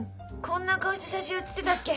こんな顔して写真写ってたっけ。